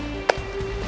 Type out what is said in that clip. sampai jumpa lagi